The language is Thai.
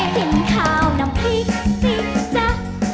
กินข้าวน้ำพริกสิจ๊ะ